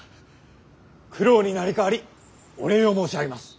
九郎に成り代わりお礼を申し上げます。